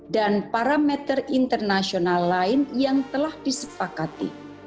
dan parameter internasional lain yang telah disepakati